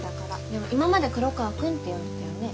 でも今まで「黒川くん」って呼んでたよね。